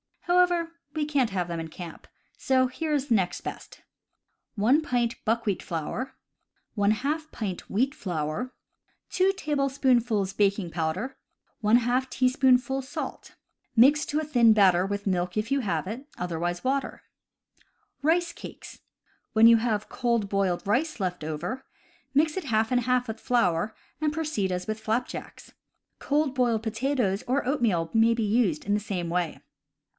However, we can't have them in camp; so here is the next best: 1 pint buckwheat flour, •J " wheat flour, 2 tablespoonfuls baking powder, \ teaspoonful salt. Mix to a thin batter with milk, if you have it; other wise water. Rice Cakes. — When you have cold boiled rice left over, mix it half and half with flour, and proceed as with flapjacks. Cold boiled potatoes or oatmeal may be used in the same way.